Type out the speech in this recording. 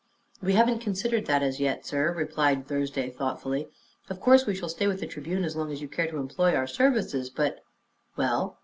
"We haven't considered that as yet, sir," replied Thursday thoughtfully. "Of course we shall stay with the Tribune as long as you care to employ our services; but " "Well?"